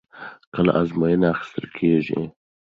کله ازموینه اخیستل کېږي؟